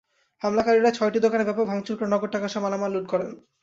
হামলাকারীরা ছয়টি দোকানে ব্যাপক ভাঙচুর করে নগদ টাকাসহ মালামাল লুট করেন।